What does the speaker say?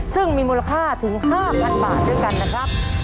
ซึ่งมีมูลค่าถึง๕๐๐๐บาทด้วยกันนะครับ